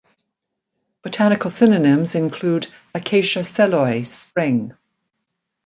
Botanical synonyms include "Acacia selloi" Spreng.